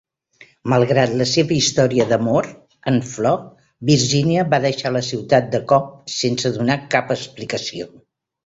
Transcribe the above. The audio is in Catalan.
Malgrat la seva història d'amor en flor, Virginia va deixar la ciutat de cop sense donar cap explicació.